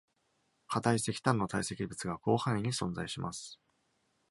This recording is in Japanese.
固い石炭の堆積物が広範囲に存在します。